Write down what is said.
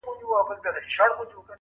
ډوب سم جهاني غوندي له نوم سره.!